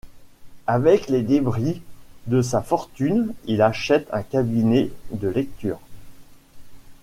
Avec les débris de sa fortune, il achète un cabinet de lecture.